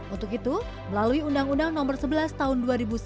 untuk itu melalui undang undang nomor sebelas tahun dua ribu sembilan